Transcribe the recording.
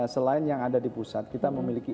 selain yang ada di pusat kita memiliki